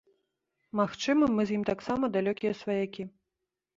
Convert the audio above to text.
Магчыма, мы з ім таксама далёкія сваякі.